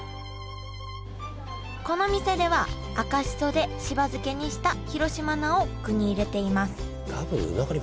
この店では赤しそでしば漬けにした広島菜を具に入れています。